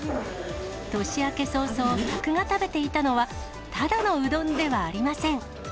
年明け早々、客が食べていたのは、ただのうどんではありません。